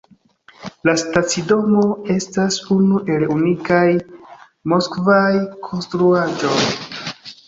La stacidomo estas unu el unikaj moskvaj konstruaĵoj.